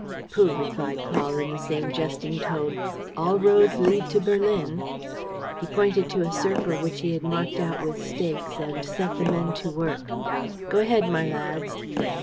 "Pooh!" replied Paul, in the same jesting tone. "All roads lead to Berlin!" He pointed to a circle which he had marked out with stakes, and set the men to work: "Go ahead, my lads."